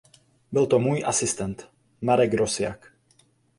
Byl to můj asistent Marek Rosiak.